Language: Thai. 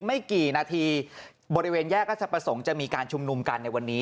ไม่กี่นาทีบริเวณแยกราชประสงค์จะมีการชุมนุมกันในวันนี้